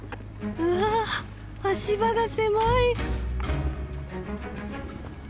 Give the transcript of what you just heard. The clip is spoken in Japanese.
うわ足場が狭い。